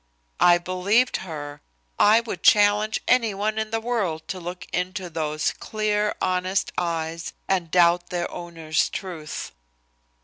I believed her! I would challenge anyone in the world to look into those clear, honest eyes and doubt their owner's truth.